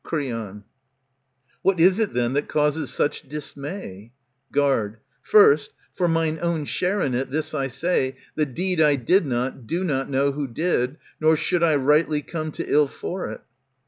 Creon, What is it then that causes such dismay i Guard, First, for mine own share in it, this I say. The deed I did not, do not know who did, Nor should I rightly come to ill for it.